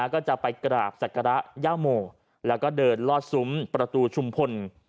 ก็จะไปกราบศักระย่าโมแล้วก็เดินลอดซุ้มประตูชุมพล